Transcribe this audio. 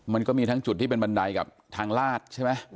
มันก็มีทั้งจุดที่เป็นบันไดกับทางลาดใช่ไหม